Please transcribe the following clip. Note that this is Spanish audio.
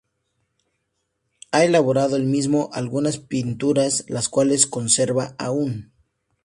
Ha elaborado el mismo algunas pinturas, las cuales conserva aún.